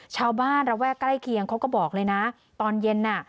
ระแวกใกล้เคียงเขาก็บอกเลยนะตอนเย็นน่ะ